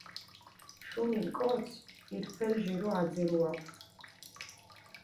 შუმილ კოც ირფელი ჟირო აძირუაფჷ.